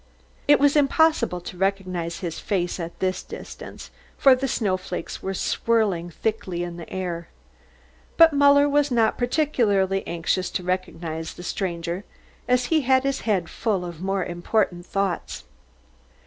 It was impossible to recognise his face at this distance, for the snowflakes were whirling thickly in the air. But Muller was not particularly anxious to recognise the stranger, as he had his head full of more important thoughts.